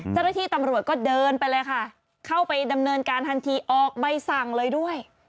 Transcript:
เจ้าหน้าที่ตำรวจก็เดินไปเลยค่ะเข้าไปดำเนินการทันทีออกใบสั่งเลยด้วย